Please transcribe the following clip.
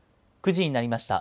９時になりました。